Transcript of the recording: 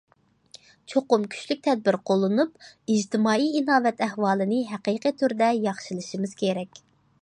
چوقۇم كۈچلۈك تەدبىر قوللىنىپ، ئىجتىمائىي ئىناۋەت ئەھۋالىنى ھەقىقىي تۈردە ياخشىلىشىمىز كېرەك.